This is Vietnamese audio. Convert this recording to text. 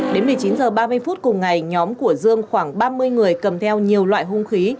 đến một mươi chín h ba mươi phút cùng ngày nhóm của dương khoảng ba mươi người cầm theo nhiều loại hung khí